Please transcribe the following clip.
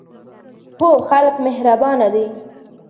هو، خلک مهربانه دي